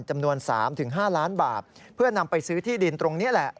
จำนวน๓๕ล้านบาทเพื่อนำไปซื้อที่ดินตรงนี้แหละ